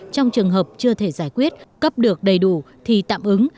trong trường hợp chưa thể giải quyết cấp được đầy đủ thì tạm ứng